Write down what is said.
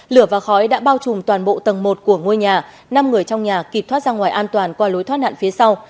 lửa và khói đã bao trùm toàn bộ tầng một của ngôi nhà năm người trong nhà kịp thoát ra ngoài an toàn qua lối thoát nạn phía sau